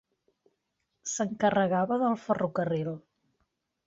S'encarregava del ferrocarril.